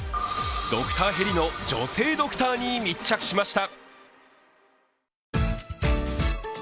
ドクターヘリの女性ドクターに密着しました。